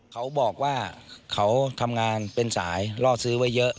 เขาบอกว่าเขาทำงานเป็นสายล่อซื้อไว้เยอะ